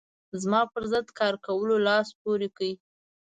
زما پر ضد کار کولو لاس پورې کړ.